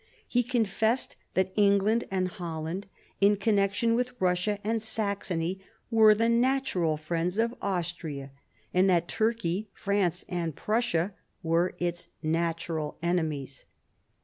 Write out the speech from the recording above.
He confessed that England and Holland in connection with Eussia and Saxony were the natural friends of Austria, and that Turkey, France, and Prussia were its natural enemies.